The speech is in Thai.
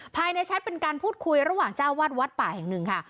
แชทเป็นการพูดคุยระหว่างเจ้าวาดวัดป่าแห่งหนึ่งค่ะ